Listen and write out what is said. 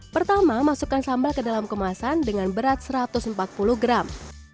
pertama masukkan sambal ke dalam kemasan dengan berat satu ratus empat puluh gram